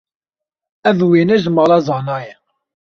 Ev wêne ji mala Zana ye.